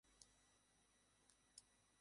এই সময়ে কে ফোন করেছে?